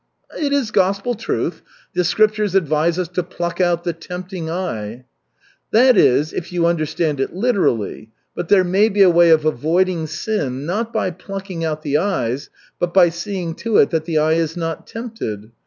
"It is gospel truth. The Scriptures advise us to pluck out the tempting eye." "That is, if you understand it literally, but there may be a way of avoiding sin not by plucking out the eyes, but by seeing to it that the eye is not tempted.